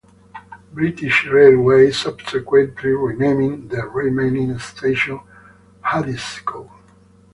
British Railways subsequently renamed the remaining station Haddiscoe.